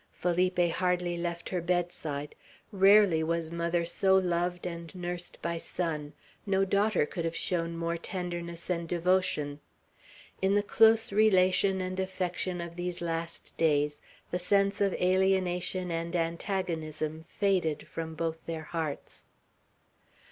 Felipe hardly left her bedside. Rarely was mother so loved and nursed by son. No daughter could have shown more tenderness and devotion. In the close relation and affection of these last days, the sense of alienation and antagonism faded from both their hearts.